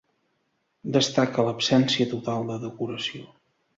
Destaca l'absència total de decoració.